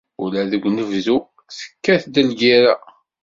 Ula deg unebdu tekkat-d lgerra.